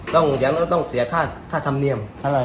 เดี๋ยวเราต้องเสียค่าธรรมเนียม